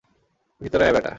ভিতরে আয়, ব্যাটা।